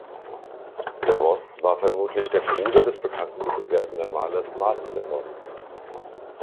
De Vos war vermutlich der Bruder des bekannten Antwerpener Malers Marten de Vos.